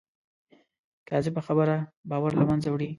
کاذبه خبره باور له منځه وړي